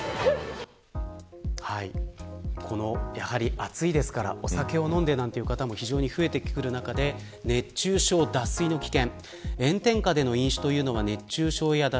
暑いですからお酒を飲んで、という方も非常に増えてくる中で熱中症、脱水の危険。